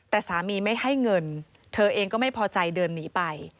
แต่สามีไม่ให้เงินเธอเองก็ไม่พอใจเดินหนีไป